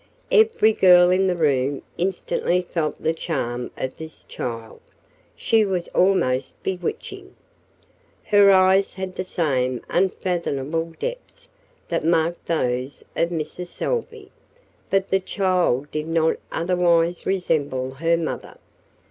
Every girl in the room instantly felt the charm of this child. She was almost bewitching. Her eyes had the same "unfathomable depths" that marked those of Mrs. Salvey, but the child did not otherwise resemble her mother.